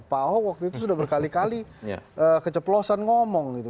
pak ahok waktu itu sudah berkali kali keceplosan ngomong gitu